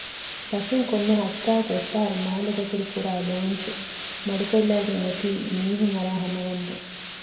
ރަށުން ކޮންމެ ހަފްތާއަކު އެއްފަހަރު މާލެ ދަތުރު ކުރާ ލޯންޗު މަޑުކޮށްލައިގެންއޮތީ މީހުންއަރާ ހަމަވަންދެން